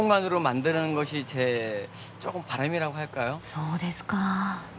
そうですか。